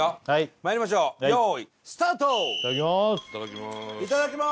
まいりましょう用意スタートいただきますいただきます